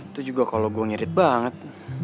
itu juga kalau gue ngerit banget